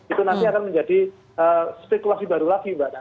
itu nanti akan menjadi spekulasi baru lagi mbak nana